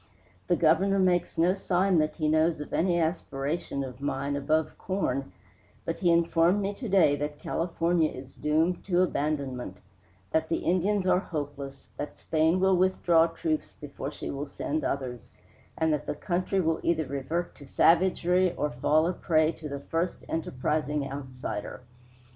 The Governor makes no sign that he knows of any aspiration of mine above corn, but he informed me to day that California is doomed to abandonment, that the Indians are hopeless, that Spain will withdraw troops before she will send others, and that the country will either revert to savagery or fall a prey to the first enterprising outsider.